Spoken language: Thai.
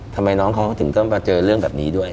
ทำไมน้องเขาถึงต้องมาเจอเรื่องแบบนี้ด้วย